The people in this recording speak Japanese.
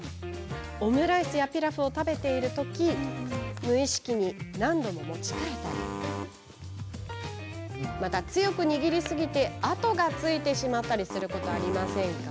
オムライスやピラフを食べている時無意識に何度も持ち替えたり強く握りすぎて痕がついてしまったりすることありませんか？